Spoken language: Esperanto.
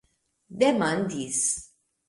demandis